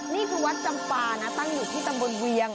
นี่คือวัดจำปานะตั้งอยู่ที่ตำบลเวียง